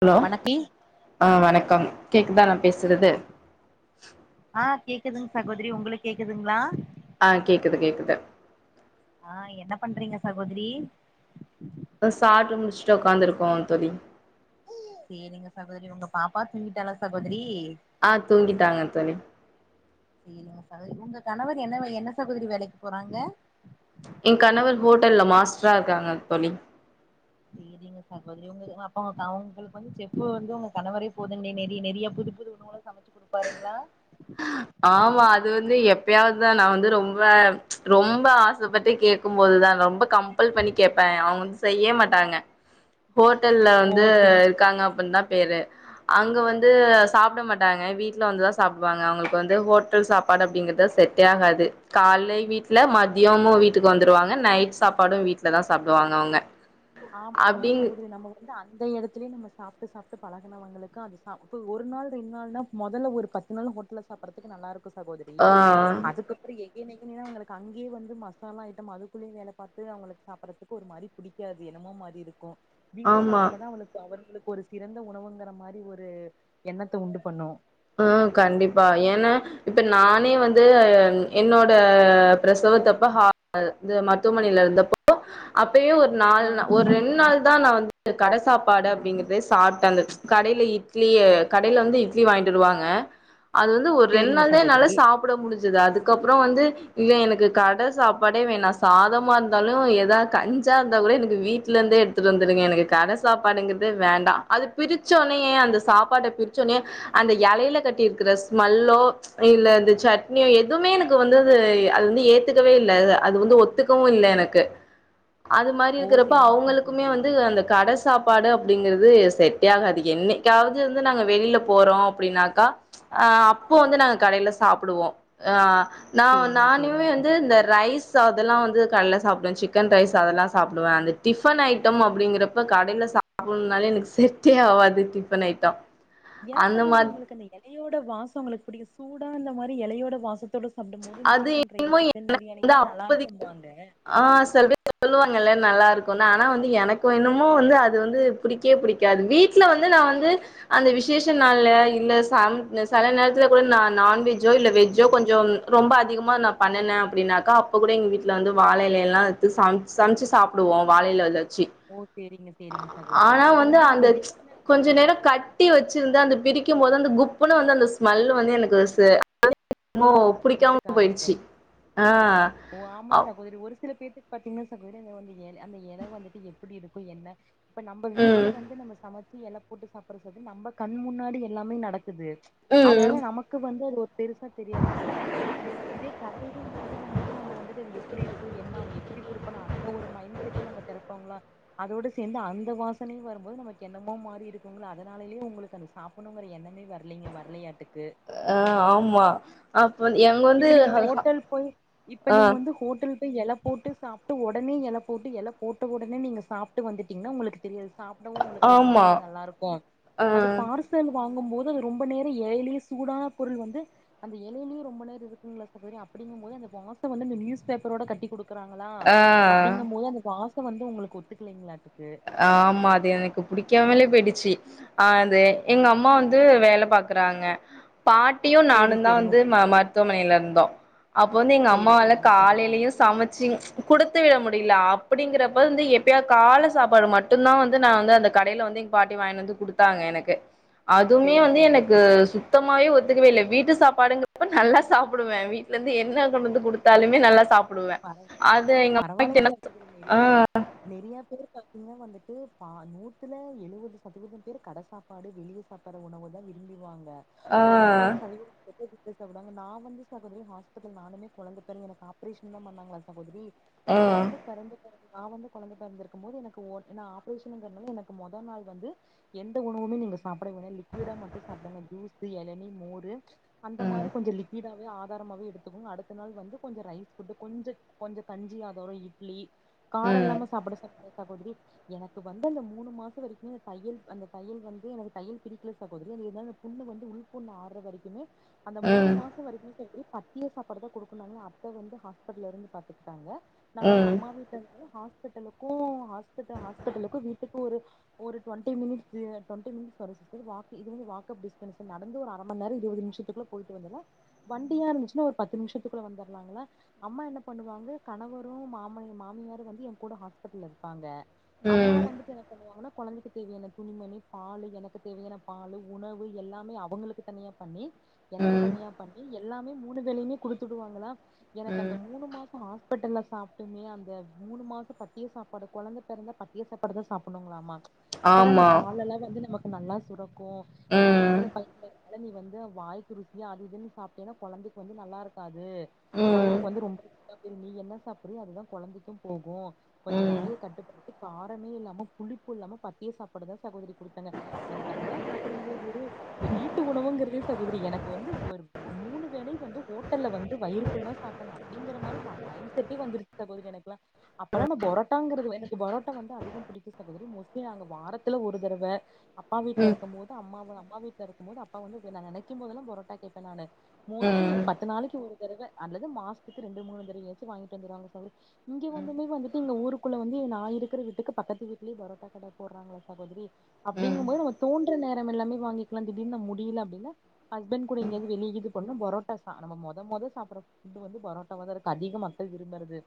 Hello வணக்கி ஆ வணக்கம் கேக்குதா நா பேசுறது ஆ கேக்குதுங் சகோதரி உங்ளுக்கு கேக்குதுங்ளா ஆ கேக்குது கேக்குது ஆ என்ன பண்றீங்க சகோதரி இப்தா சாப்ட்டு முடிச்சுட்டு ஒக்காந்துருக்கோ தோழி சேரிங்க சகோதரி உங்க பாப்பா தூங்கிட்டாலா சகோதரி ஆ தூங்கிட்டாங்க தோழி சரிங்க சகோதரி உங்க கணவர் என்ன வே என்ன சகோதரி வேலைக்கு போறாங்க என் கணவர் ஹோட்டல்ல மாஸ்ட்ராக்காங்க தோழி சேரிங்க சகோதரி உங்க அப்ப அவங்களுக்கு வந்து செஃப்பு வந்து உங்க கணவரே போது நெறைய நெறைய புது புது உணவு சமைச்சு குடுப்பாருங்ளா எப்பயாதுதா நா வந்து ரொம்ப ரொம்ப ஆசப்பட்டு கேக்கும்போதுதா ரொம்ப கம் கம்பல் பண்ணி கேப்பே அவங்க வந் செய்ய மாட்டாங்க ஹோட்டல்ல ஓ வந்து சே இருக்காங்க அப்புந்தா பேரு அங்க வந்து சாப்ட மாட்டாங்க வீட்ல வந்துதா சாப்டுவாங்க அவங்க வந்து ஹோட்டல் சாப்பாடு அப்டிங்கறது செட்டேகாது கால்ல வீட்ல மதியமு வீட்டுக்கு வந்துருவாங்க நைட் சாப்பாடு வீட்ல தா சாப்டுவாங்க அவங்க ஆம் ஆமா அப்டிங் சகோதரி நம்ம வந்து அந் அந்த எடத்துலே நம்ம சாப்ட்டு சாப்ட்டு பழகுனவங்களுக்கு அது சாப் ஒரு நாள் ரெண்டு நாள்னா மொதல்ல ஒரு பத்து நாள் ஹோட்டல சாப்புட்றதுக்கு நல்லாருக்கு இப்ப சகோதரி ஆ அதுக்கப்ற எனக்னன்னா அவங்களுக்கு அங்கே வந்து மசாலா ஐட்டம் அதுக்குள்ளே வேல பாத்து அவங்களுக்கு சாப்புட்றக்கு ஒருமாரி புடிக்காது என்னுமோ மாரிருக்கு வீட்டு ஆமா. சாப்பாடு தா அவளுக்கு அவங்களுக்கு ஒரு சிறந்த உணவுங்ற மாரி ஒரு எண்ணத்த உண்டு பண்ணு ஆ கண்டிப்பா ஏனா இப்ப நானே வந்து என்னோட பிரசவத்தப்ப ஹா இது மருத்துவமனைல இருந்தப்போ அப்போ அப்பயே ஒரு நாள் ஆ ஒரு ரெண்டு நாள் தா நா வந்து கட சாப்பாடு அப்டிங்கறதே சாப்டாங் அந்த கடையில இட் இட்லிய கடையில வந்து இட்லி வாங்கிட்டு டுவாங்க அது வந்து ஒரு ரெண்ட் சேரிங்க நாள் தா என்னால சகோதரி சாப்புட முடிஞ்சது அதுக் அதுகப்றோ வந்து இல்ல எனக்கு கட சாப்பாடே வேணா சாதமா இருந்தாலு எதா கஞ்சா இருந்தா கூட எனக்கு வீட்ல இருந்தே எடுத்துட்டு வந்துடுங்க எனக்கு கட சாப்பாடுங்கறதே வேண்டா அது பிரிச்ச ஒனனேயே அந்த சாப்பாட்ட பிரிச்சோட்னேயே அந்த எலையில கட்டியிருக்கிற ஸ்மெல்லோ ச் இல்ல இந்த சட்னியோ எதுமே எனக்கு வந்து அது அது வந்து ஏத்துக்கவே இல்ல அது வந்து ஒத்துக்கவு இல்ல எனக்கு அது மாரி ஓ இருக்கறப்ப சேரிங்க அவுங்களுக்குமே சகோதரி வந்து அந்த கட சாப்பாடு அப்டிங்கறது செட்டே ஆகாது என்னைக்காவது வந்து நாங்க வெளியில போறோ அப்டின்னாக்கா ஆ அப்போ வந்து நாங்க கடையில சாப்புடுவோ ஆஹ நா சேரிங்க நானுமே சேரிங்க வந்து இந்த சகோதரி ரைஸ் அதெல்லா வந்து கடையில சாப்டுவே சிக் கன் ரைஸ் அதெல்லா சாப்டுவே அந்த டிஃபன் ஐட்டோ அப்டிங்கறப்ப கடையில சாப்பிடணுனால எனக்கு செட்டே ஆகாது டிஃபன் ஐட்டம் ஏயா அந்த சகோதரி மாரி உங்களுக்கு அந்த எலையோட வாசோ உங்களுக்கு புடிகாது சூடா இந்த மாரி எலையோட வாச தோட சாப்புடும் போது இந்த அது சிக்கன் ரைஸ்ஸு என்னமோ சிக்கன் பிரியாணிக வந்து எல்லா நல்லா அப்போதைக்கு இருக்கும்பாங்க எல்ல நல்லா இருக்குன்னு ஆனா வந்து எனக்கு என்னமோ வந்து அது வந்து புடிக்கவே புடிக்காது வீட்டுல வந்து நா வந்து அந்த விஷ் விஷேஷ நாள்ல இல்ல சாமி இந்த செல நேரத்துல கூட நா நான்வெஜ் ஜோ இல்ல வெஜ்ஜோ கொஞ்சோ ரொம்ப அதிகமா நா பண்ணனே அப்டின்னாக்கா அப்ப கூட எங்க வீட்ல வந்து வாழ எலை எல்லா எடுத்து சம்ச் சமச்சு சாப்டுவோ வாழை இலையில வச்சி ஓ சேரிங்க சேரிங்க சகோதரி ஆனா அது வந்து நம்ம அந்த வீட்ல கொஞ்சோ நேர கட்டி வெச்சிருந்த அந்த பிரிக்கும் போது அந்த குப்புன்னு வந்து அந்த ஸ்மல்லு வந்து எனக்கு சே [inaudible] பிடிக்காம ஒத்துக்காது போல போயிறிச்சி ஆஹ ஓ ஆமா அ சகோதரி ஒரு சில பேத்துக்கு பாத்தீங்கன்னா சகோதரி அந்த வந்து எல அந்த எல வந்துட்டு எப்டி இருக்கோ என்ன இப்ப நம்ம ம் வீட்டுல வந்து நம்ம சமைச்ச சி எல போட்டு சாப்புடுறது நம்ம கண் முன்னாடி எல்லாமே நடக் குது அதனால ம் நமக்கு வந்து அது ஒத் பெருசா தெரியாது சகோதரி இதே கடையிலங்க போது வந்துட்டு நம்ம வந்துட்டு அது எப்டி இருக்கோ என்ன அவ எப்டி குடுப்பானோ அந்த ஒரு மைண்ட் செட்டே நம்ம திறப்போங்களா அதோட சேந்து அந்த வாசனையு வரும்போது நமக்கு என்னமோ மாறி இருக்குங்களா அதனாலயு உங்களுக்கு அந்த சாப்புடணுங்கற எண்ணமே வரலைங்க வரலையாட்டுக் ஆஹ ஆமா அப்ப எங்க வந்து இப்ப நீங்க ஹோட்டல் போய் இப்ப ஆ நீங்க வந்து ஹோட்டல் போய் எல போட்டு சாப்ட்டு உட உடனே எல போட்டு எல போட்ட உடனே நீங்க சாப்புட்டு வந்துட்டீங்கன்னா உங்களுக்கு தெரியாது சாப்புடவு உங்களுக்கு ஒரு ஆமா மாதிரி நல்லா இருக்கோ ஆ அது பார்சல் வாங்கும்போது து ரொம்ப நேர எலையிலேயே சூடா பொருள் வந்து அந்த எலையிலயே ரொம்ப நேரோ இருக்குங்களா சகோதரி அப்டிங்கும் போது அந்த வாசோ வந்து அந்த நியூஸ் பேப்பரோட கட்டி குடுக் கறாங்களா ஆ அப்டிங்கும் போது அந்த வாச வாசோ வந்து உங்களுக்கு ஒத்துக்கலைங்களாட்டிருக்கு ஆமா அது எனக்கு புடிக்காமலே போயி்டிச்சி அஹ் அது எங்க அம்மா வந்து வேல பாக்குறாங்க பாட்டியு நானு சேரி தா சேரிங்க வந்து மருத்துவமனையில இருந்தோம் அப்போ வந்து எங்க சேரி அம்மாவால சேரிங்க சகோதரி காலையிலயு சமச்சு குடுத்து விட முடியல அப்படிங்கறப்ப வந்து எப்பயவாது கால சாப் சாப்பாடு மட்டும்தா வந்து நா வந்து அந்த கடையில வந்து இங்க பாட்டி வாங்கினு வந்து கொடுத்தாங்க எனக்கு அதுமே சேரி வந்து சேரிங்க எனக்கு சகோதரி சுத்தமாவே ஒத்துக்கவே இல்ல வீட்டு சாப்பாடுங்க அப்ப நல்லா சாப்பிடுவே வீட்ல இருந்து என்ன கொண்டு வந்து ஓ குடுத்தாலுமே ஓ நல்லா சாப்பிடுவே பர அது எங்க அம்மகிட்ட பரவாயில்லைங்க என்ன சகோதரி நெறைய ஆஹ் நெறைய பேர் பாத்தீங்கன்னா வந்துட்டு பா நூத்துல எழுபது சதவீதம் பேர் கட சாப்பாடு வெளிய சாப்பாடுற உணவ தா விரும்பிவாங் க ஒரு முப்பது ஆ சதவீதம் சாப்டுவாங்க நா வந்து சகோதரி ஹாஸ்பிட்டல் நானுமே கொழந்த பெறந்து எனக்கு ஆப்ரேஷன் தா பண்ணாங்களா சகோதரி நா வந்து பெறந்து பிறகு நா வந்து குழந்த பிறந்திருக்கும் போது எனக்கு ஒன்னு ஆப்ரேஷனுங்கனால எனக்கு மொதல் நாள் வந்து எந்த உணவுமே நீங்க சாப்பிட வேனா லிக்விடா மட்டும் சாப்பிடுங்க ஜூசு எளனி மோரு அந்த ம் மாரி கொஞ்ச லிக்விடா ஆதாரமாவே எடுத்துகோங்க அடுத் த நாள் வந்து கொஞ்ச ரைஸ் போட்டு கொஞ்ச கொஞ்சோ கஞ்சி ஆதாரம் இட்லி ம் காரம் இல்லாம சாப்ட சாப்பட சகோதரி எனக்கு வந்து அந்த மூணு மாசம் வரைக்கும் அந்த தையல் அந்த தையல் வந்து எனக்கு தையல் பிரிக்கல சகோதரி இந்த புண்ணு வந்து உள் புண்ணு ஆர்ற வரிக்குமே அந்த ம் மூணு ம் மாசம் வரைக்கு சொல்லி பத்திய சா பாடு தா கொடுக்னுனாங்ளா அத்த வந்து ஹாஸ்பிட்டல இருந்து பாத்துக்கிட்டாங்க நா வந்து அம்மா வீட்ல இரு ஹாஸ் ஹாஸ்பிடலுக்கு ஹாஸ்பிட் ஹாஸ்பிடலுக்கு வீட்டுக்கு ஒரு ஒரு டுவண்டி மினிட்ஸ்ல டுவண்டி மினிட்ஸ் வரு சிஸ்டர் வாக்கு இது வந்து வாக்கஃபல் டிஸ்டன்ஸ் நடந்து ஒரு அர மணி நேரம் இருபது நிமிஷத்துக்குள்ள போயிட்டு வந்துலா வண்டியா இருந்துச்ன்னா ஒரு பத்து நிமிஷத்துக்குள்ள வந்துர்லாங்களா அம்மா என்ன பண்ணுவாங்க கணவரு மாமன் மாமியாரு வந்து என் கூட ஹாஸ்பிட்டல்ல இருப்பாங்க அம்மா ம் வந்துட்டு என்ன சொல்லுவாங்கன்னா கொழந்தைக்கு தேவையான துணிமணி பால் எனக்கு தேவையான பாலு உணவு எல்லாமே அவங்களுக்கு தனியா பண்ணி ம் எனக்கு ம் தனியா பண்ணி எல்லாமே மூணு வேளையுமே குடுத்துடுவாங்களா எனக்கு ம் அந்த மூணு மாசம் ஹாஸ்பிட்டல்ல சாப்ட்டுமே அந்த மூணு மாசம் பத்திய சாப்பாடு கொழந்த பிறந்தா பத்திய சாப்பாடு தா சாப்பிடுனுங்களாமா அப்பதா அந்த ஆமா பால் எல்லா வந்து நமக் நல்லா சுரக்கு ஏன்னா ம் ஆம்பள பையன் அதனால நீ வந்து வாய்க்கு ருசியா அது இதுன்னு சாப்பிட்டன்னா கொழந்தைக்கு வந்து நல்லா இருக் து ம் கொழந்தைக்கு வந்து ரொம்ப அது நீ என்ன சாப்டுற அதுதான் கொழந்தைக்கும் போகூ கொஞ்சோ ம் வாய கட்டுபடுத் காரமே இல்லாம புளிப்பு இல்லாம பத்தியே சாப்படுதான் சகோதரி கொடுத்தாங்க எனக்கு அதெல்லாம் சாப்பிடும் போது இந்த வீட்டு உணவுங்கிறதே சகோதரி எனக்கு வந்து ஒரு மூணு வேளையும் வந்து வந்து வயிறு ஃபுல்லா சாப்பிடனும் அப்படிங்கிற மாரி நான் மைன் செட்டே வந்துருச்சு சகோதரி எனக்குலாம் அப்பலா நான் பரோட்டாங்கிறது எனக்கு பரோட்டா வந்து அதிக புடிக்கு சகோதரி மோஸ்லி நாங்க வாரத்துல ஒரு தரவ அப்பா ம் வீட்டுல ம் இருக்கும் போது அம் அம்மா வீட்ல இருக்கும் போது அப்பா வந்து நான் நெனைக்கும் போதெல்லாம் பரோட்டா கேப்பேன் நானு மோஸ்ட்லி ம் பத்து நாளைக்கு ஒரு தடவ அல்லது மாசத்துக்கு ரெண்டு மூணு தறவைய ஏச்ச வாங்கிட்டு வந்துருவாங்க சகோதரி இங்கே வந்துமே வந்துட்டுங்க ஊருக்குள்ள வந்து நான் இருக்கிற வீட்டுக்கு பக்கத்து வீட்டுலேயே பரோட்டா கடை போடுறாங்களா சகோதரி அப்படிங்கும் போது நம்ப தோன்றற நேம் எல்லமே வாங்கிக்கலாம் திடீனுா முடியல அப்படின்னா ஹஸ்பண்ட் கூட இங்கயது வெளியே இது பண்ணோம் பரோட்டா நம்ம மத மொத மொத சாப்டற ஃபுட்டு வந்து பரோட்டாவ தான்க்குது அதிக மக்கள்விரும்புறது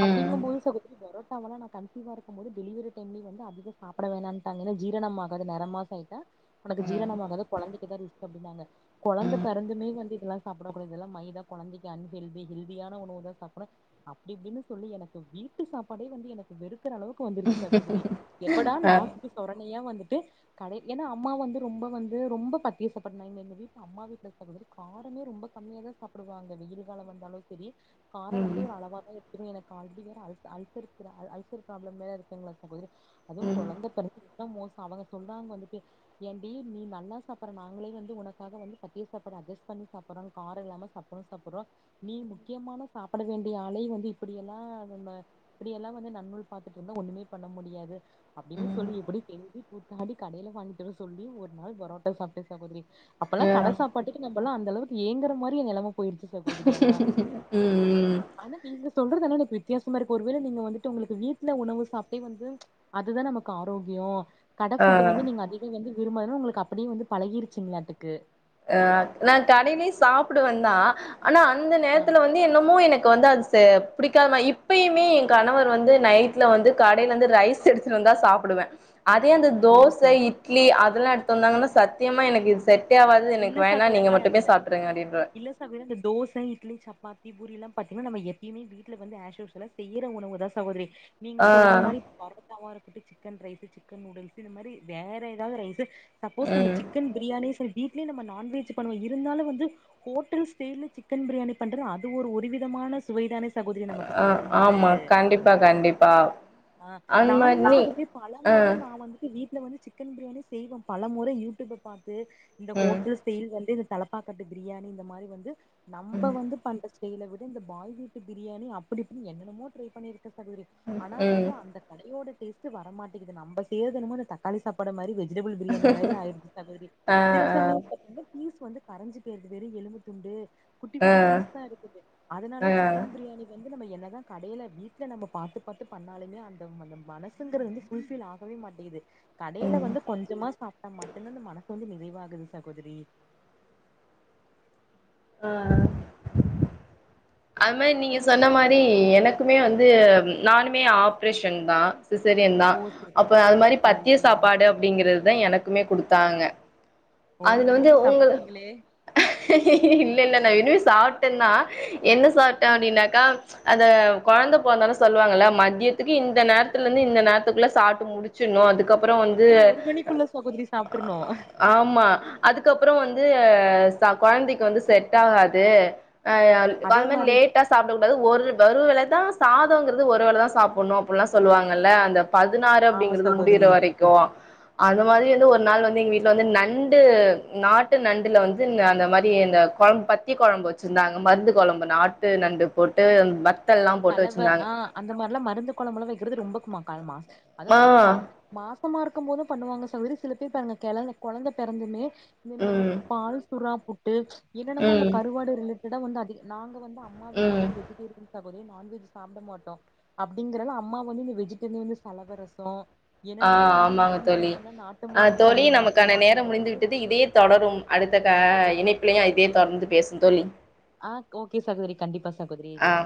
ம் ம் அப்படிங்கும் போது பரோட்டாவல்லா நான் கன்சீவா இருக்கும்போது டெலிவரி டைம்லய வந்து அதிகத சாப்பிட வேணாம்ட்டாங்க ஏன்னா ஜீரணம்மாக ஆகது நர மாசம் ஆட்டா உனக்கு ம் ஜீரணமாகத கொழந்த [unintelligible] கொழந்த பெறந்துமே வந்து இதுல சாப்பிடக்க கூடியதுெல்ல மைதான் குழந்தைக்கு அன்ஹெல்தி ஹெல்தியான உணவு தான் சாப்பிட அப்டி அப்டின்னு சொல்லி என வீட்டு சாப்பாடே வந்து எனக்கு வெறு அளவுக்கு வந்துருச்ச சகோதரி எப்படா அ நாக்குக்கு சொரணையா வந்து கடை ஏன்னா அம்மா வந்து ரொம்ப வந்து ரொம்ப பத்தியசப்ப வீட்டு அம்மா வீட்ட வந்து கா ரொம்ப கம்மிய தான் சாப்டுவாங்க வெயில் கால வந்தாலும் செரி காரம் ம் வந்து ஒரு அளவா தான் எனக்கு ஆல்ரெடி வேற அ அல்சர் அல்சர் ப்ராப்ளம் மே இருக்கு அதுவும் ம் ம் கொழந்திற மோசம் அவுங்க சொல்றாங்க வந்துட்டு ஏன்ண்டடி நீ நல்லா சாப்பிடடுற நாங்களே வந்து உனக்காக வந்து பத்திய சாப்பாடு அட் பண்ணி சாப்பிடுறோ காரம் இல்லாம சாப் சாப்புறோ நீ முக்கியமான சாப்பிட வேண்டிய ஆள வந்து இப்படியெல்லாம்ம இப்படியெல்லாம் வந்து நன்னூள் பார்த்துட்டு இருந்தா ஒண்ணுமே பண்ண முடியாது அப்டின்னு அ சொல்லி எப்படி தெஞ்சு கூத்தாடி கடையில வாங்கிட்டு சொல்லி ஒரு நாள் பரோட்டா சாப்ட்ட சாகோதரி அப்பல்லா கட சாப்பாட்டுக்கு நம்ம ல்லாம் அந்தளவுக்கு ஏங்குற மாரி நெலம போயிருச்சு சகோதரி ஆனா ம்ம் ம் சொல்றதுால எனக்கு வித்தியாசமா இருக்கு ஒருவேள நீங்க வந்துட்டு உங்களுக்கு வீட்டுல உணவு சாப்பிட்டே வந்து அதுதான் நமக்கு ஆரோக்கியோ ஆ கடஃபுட்டு வந்து நீங்க அதிகம் வந்து விருப [unintelligible] உங்களுக்கு அப்டியே வந்து பழகிருச்சுங்களாட்டுக்கு அஹ் நான் கடைலயு சாப்டுவேதா ஆனா அந்த ஆ நேரத்துல வந்து என்னமோ எனக்கு வந்து அது பிடிக்காதமா இப்பயுமே என் கணவர் வந்து நைட்ல வந்து கடையில இருந்து ரைஸ் எடுத்துட்டு வந்தா சாப்பிடுவே அதே அந்த ஓ தோச சேரி இட்லி அ எடுத்து வந்தாங்கன்னா சத்தியமா எனக்கு இது செட்ட இல்ல சாகோதிரி அ இல்ல சாக அந்த தோச இட்லி சப்பாத்தி பூரி எல்லாம் பத்தீங்கன்னா நம் எப்பயுமே வீட்ல வந்துற உணவு தான் சகோதரி நீங்க சொல்ற ஆ மாரி பரவத்தாம இருக்கும் ட்டு சிக்கன் ரைஸு சிக்கன் நூடுல்ஸ் இந்த மாரி வேற ஏதாவது ரைஸு சப்போஸ் நம்ம ம் சிக்கன் பிரியாணி நம்ம நான்வெஜ் பண்ணுவோ இருந்தாலும் வந்து ஹோட்டல் ஸ்டேல சிக்கன் பிரியாணி பண்றது அது ஒருவிதமான சுவைதான சகோதரி நமக்கு ஆ ஆமா சாப்பிடும்போதுஹ கண்டிப்பா கண்டிப்பா அந்த மாரி நானுமே நீ சகோதரி பல ஆ முற நான் வந்து வீட்டு இல வந்து சிக்கன் பிரியாணி செய்வோம் பல முறை யூடிப்ப பார்த்து ம் இந்தஹோட்டல் ஸடைல் வந்து தலப்பாக்கட்டு பிரியாணி இந்த மாரி வந்து நம்ப வந்து பண்ற ஸ்டைல விட இந்த பாய் வீட்டு பிரியாணி அப்டி இப்டின் என்னென்னமோ ட்ரை பண்ணிரு க்க சகோதரி ஆனா ம் வந்து அந்த கடையோட டேஸ்ட்டு வர மாட்டேங்குது நம்ப செய்றதென்னமோ அந்த தக்காளி சாப்பாடு மாரி வெ ஜிடபுள் பிரியாணி மாரி ஆயிருச்சு சகோதரி ஆ ஆ சமயல் பத்துன பீஸ் வந்து கரஞ்சு போயிறுது வெறு எலும்பு துண்டு குட்டி குட்டி பீஸ்தா இருக்குது ஆ ஆ அதனாலயே சிக்கன் ப்ரியாணி வந் து நம்ம என்னதா கடைல வீட்ல நம்ப பாத்து பாத்து பண்ணாலுமே அந்த அந்த மனசுங்குறது வந்து ஃபுல் ஃபில் ஆகவே மாட்டேங்கிது கடைல ம் வந்து கொஞ்சமா சாப்ட்டா மட்டுந்தா அந்த மனசு வந்து நிறை வாகுது சகோதரி ஆ அது மாரி நீங்க உங்க சொன்ன கண மாரி எனக்குமே வந்து நானுமே ஆப்ரேஷன்தா சிசேரியன்தா ஓ செரி அப்ப அது மாரி செரி பத்திய செரிங்க சாப்பாடு சகோதரி அப்படிங்கிறதுதா எனக்குமே குடு த்தாங்க ஓ அதுல நீங்க வந்து விரும்பி உங்க சாப்ட்ருப்பீங்களே இல்ல இல்ல நா விரும்பி சாப்ட்டந்தா என்ன சாப்ட்ட அப்டின்னாக்கா அத கொழந்த பொறந்தன சொல்வாங்கள மதியத்துக்கு இந்த நேரத்துல இருந்து இந்த நேரத்துக்குள்ள சாட்டு முடிச்சுர்னு அதுக் மதிய ஒரு மணிக்குள்ள சகோதரி சாப்ட்ருணு அதுக்கப்றொ வந்து ச கொழந்தைக்கு வந்து செட் ஆகாது ஆ அதே அன் தென் மாரி லேட்டா சாப்டக் கூடாது ஒரு வேளதா சாதொங்குறது ஒரு வேளதா சாப்புட்ணு அப்புலா சொல்லுவாங்கல்ல அந்த பதினாறு ஆமா அப்டிங்கறது முடியிற சகோதரி வரைக்கு அந்த மாரி வந்து ஒரு நாள் வந்து எங்க வீட்ல வந்து நண் டு நாட்டு நண்டுல வந்து ன் அந்த மாரி இந்த கொழம்பு பத்திய கொழம்பு வெச்சிருந்தாங்க மருந்து கொழம்பு நாட்டு நண்டு போட்டு வ கலவ ஆ அந்த மார்லா மருந்து கொழம்புலா வெக்கிறது ரொம்ப ம காலமா அது ஆ அது க மா சமாருக்கும் போது பண்ணுவாங்க சகோதரி சில பேர் பாருங்க கெல கொழந்த பெறந்துமே இதுல இந்த ம் பால் சுறா பு ட்டு என்னனமோ இந்த ம் கருவாடு ரிலே ரிடம் வந்து அதிக நாங்க வந்து அம்மா வீட்ல ம் வந்து வெஜிடேரியந்தா நான்வெஜ் சாப்ட மாட்டோம் அப்டிங்றல அம்மா வந்து இந்த வெஜிடனேனு சலவரசொம் ஆ ஆமாங்க தோழி ஆ மருந்து தோழி கடையில வாங்கி நமக்கான வச்சு நேரம் முடிந்து சகோதரி விட்டுது இதே தொடரும் அடுத்த இணை இதே தொடர்ந்து பேசு தோழி ஆஹ் ஓகே சகோதரி கண்டிப்பா சகோதரி ஆ